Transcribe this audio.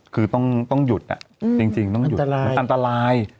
คือต้องหยุดอะจริงจุดอันตราย